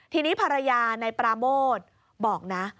ทีนี้ภรรยานายปราโมทบอกนะ